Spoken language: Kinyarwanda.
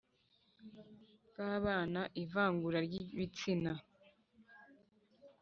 Bwabana ivangura ryi bitsina